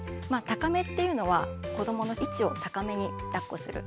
高めっていうのは子どもの位置を高めにだっこする。